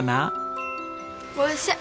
おいしい！